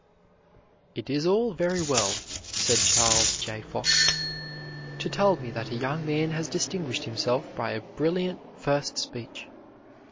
"It is all very well," said Charles J. Fox, "to tell me that a young man has distinguished himself by a brilliant first speech.